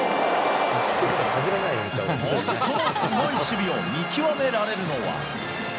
最もすごい守備を見極められるのは？